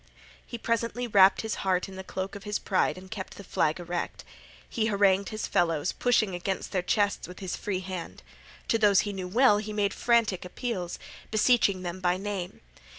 He presently wrapped his heart in the cloak of his pride and kept the flag erect. He harangued his fellows, pushing against their chests with his free hand. To those he knew well he made frantic appeals, beseeching them by name.